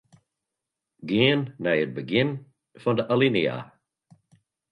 Gean nei it begjin fan alinea.